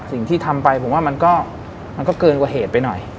สิ่งที่ทำไปผมว่ามันก็เกินกว่าเหตุไปหน่อย